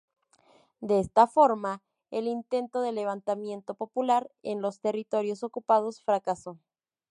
De esta forma, el intento de "levantamiento popular" en los territorios ocupados fracasó.